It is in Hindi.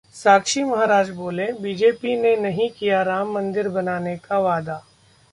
साक्षी महाराज बोले- बीजेपी ने नहीं किया राम मंदिर बनाने का वादा